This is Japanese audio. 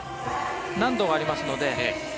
難度はありますので。